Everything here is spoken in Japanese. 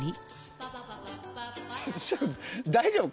大丈夫？